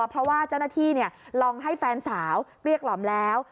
เพราะว่าเจ้าหน้าที่ลองให้แฟนสาวเกลี้ยกล่อมแล้ว